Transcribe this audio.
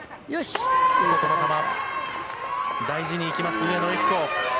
大事にいきます上野由岐子。